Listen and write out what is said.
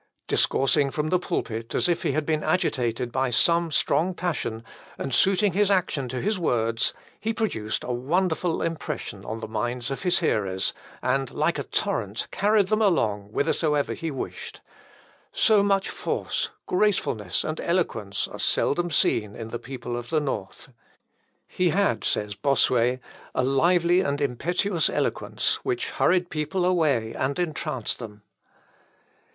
Discoursing from the pulpit as if he had been agitated by some strong passion, and suiting his action to his words, he produced a wonderful impression on the minds of his hearers, and like a torrent, carried them along whithersoever he wished. So much force, gracefulness, and eloquence, are seldom seen in the people of the north." "He had," says Bossuet, "a lively and impetuous eloquence, which hurried people away and entranced them." Florimond Raymond, Hist. Hæres. cap. v. Hist.